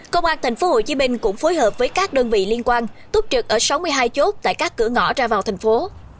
công an tp hcm cũng phối hợp với các đơn vị liên quan túp trực ở sáu mươi hai chốt tại các cửa ngõ ra vào thành phố